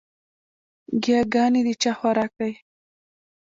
ګياګانې د چا خوراک دے؟